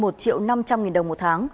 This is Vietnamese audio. một triệu năm trăm linh nghìn đồng một tháng